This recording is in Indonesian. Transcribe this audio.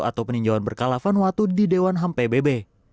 atau peninjauan berkala vanuatu di dewan ham pbb